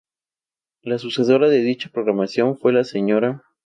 La sucesora de dicha programación fue la Sra.